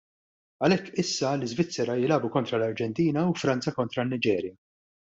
Għalhekk issa l-Iżvizerra jilagħbu kontra l-Arġentina u Franza kontra n-Niġerja.